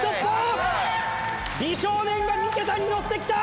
美少年が三桁にのってきた！